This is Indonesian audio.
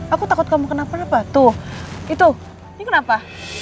aku takut kamu kenapa napa tuh itu ini kenapa